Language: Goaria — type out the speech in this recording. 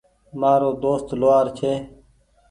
مآرو دوست لوهآر ڇي۔